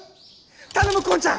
頼む近ちゃん！